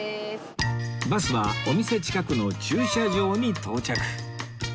バスはお店近くの駐車場に到着